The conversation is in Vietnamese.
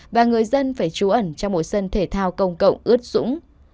và người dân phải trú ẩn trong một sân thể thao công cộng ướt dũng